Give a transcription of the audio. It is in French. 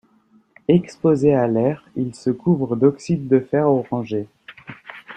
Exposé à l'air, il se couvre d'oxyde de fer orangé.